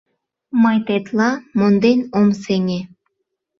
Мый тетла монден ом сеҥе».